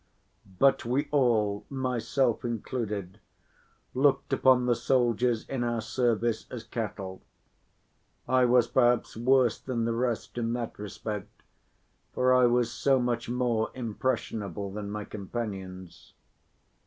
But we all, myself included, looked upon the soldiers in our service as cattle. I was perhaps worse than the rest in that respect, for I was so much more impressionable than my companions.